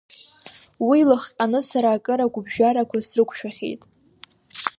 Уи илыхҟьаны сара акыр агәыԥжәарақәа срықәшәахьеит.